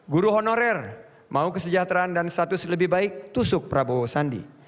guru honorer mau kesejahteraan dan status lebih baik tusuk prabowo sandi